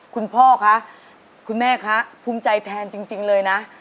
พ่อคะคุณแม่คะภูมิใจแทนจริงเลยนะ